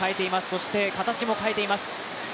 そして形も変えています。